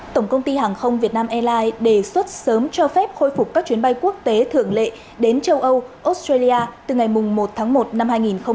tổng công ty hàng không việt nam airlines đề xuất sớm cho phép khôi phục các chuyến bay quốc tế thường lệ đến châu âu australia từ ngày một tháng một năm hai nghìn hai mươi